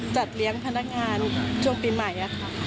จัดเลี้ยงพนักงานช่วงปีใหม่ค่ะ